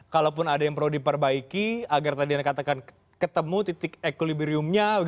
kalaupun ada yang perlu diperbaiki agar ketemu titik equilibrium nya